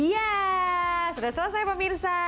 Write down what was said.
ya sudah selesai pak mirsa